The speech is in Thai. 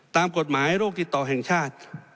ตามกฎหมายโรคติดต่อแห่งชาติ